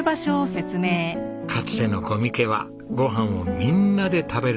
かつての五味家はご飯をみんなで食べるのが決まり。